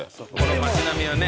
街並みはね。